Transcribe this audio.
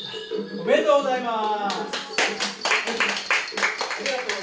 ありがとうございます。